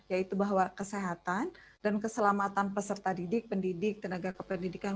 yaitu bahwa kesehatan dan keselamatan peserta didik pendidik tenaga kependidikan